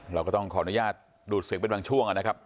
เราก็ต้องขออนุญาตดูดเสียงเป็นบางช่วงนะครับ